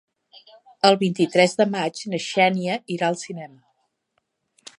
El vint-i-tres de maig na Xènia irà al cinema.